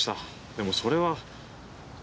でもそれは。